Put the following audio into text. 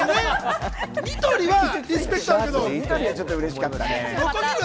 ニトリはリスペクトあるけど。